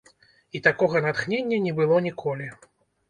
І такога натхнення не было ніколі.